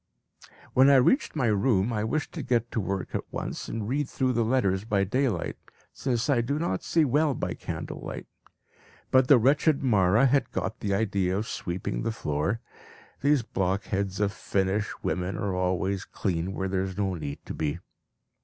When I reached my room I wished to get to work at once, and read through the letters by daylight, since I do not see well by candle light; but the wretched Mawra had got the idea of sweeping the floor. These blockheads of Finnish women are always clean where there is no need to be.